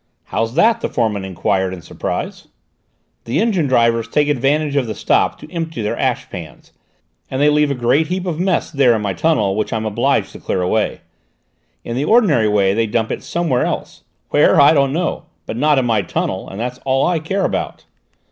"How's that?" the foreman enquired in surprise. "The engine drivers take advantage of the stop to empty their ash pans, and they leave a great heap of mess there in my tunnel, which I'm obliged to clear away. In the ordinary way they dump it somewhere else: where, I don't know, but not in my tunnel, and that's all I care about."